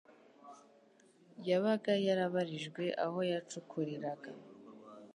yabaga yarabarijwe aho yacukuriraga;